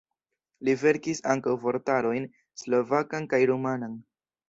Li verkis ankaŭ vortarojn: slovakan kaj rumanan.